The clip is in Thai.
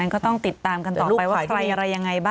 ก็ต้องติดตามกันต่อไปว่าใครอะไรยังไงบ้าง